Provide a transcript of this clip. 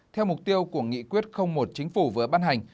theo mục tiêu của nghị quyết một chính phủ vừa ban hành